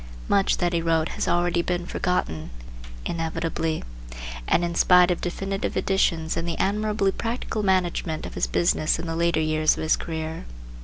Much that he wrote has already been forgotten, inevitably, and in spite of definitive editions and the admirably practical management of his business in the later years of his career.